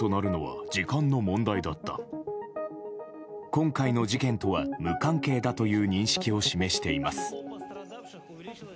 今回の事件とは無関係だという認識を示しています。